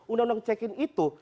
undang undang check in itu